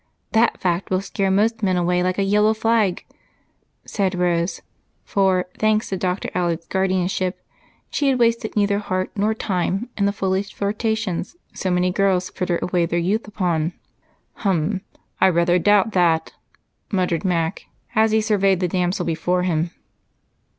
That fact will scare most men away like a yellow flag," said Rose, for, thanks to Dr. Alec's guardianship, she had wasted neither heart nor time in the foolish flirtations so many girls fritter away their youth upon. "Hum! I rather doubt that," muttered Mac as he surveyed the damsel before him.